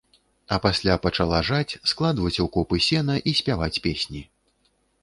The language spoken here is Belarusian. А пасля пачала жаць, складваць у копы сена і спяваць песні.